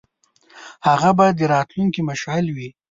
هغه به د راتلونکي مشعل وي.